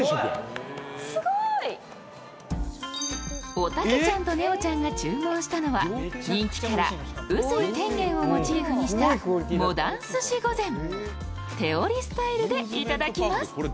おたけちゃんとねおちゃんが注文したのは人気キャラ、宇髄天元をモチーフにしたモダン寿司御膳、手織りスタイルでいただきます。